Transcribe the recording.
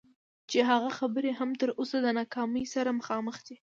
چې هغه خبرې هم تر اوسه د ناکامۍ سره مخامخ دي.